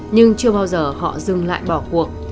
nhưng chưa bao giờ họ dừng lại bỏ cuộc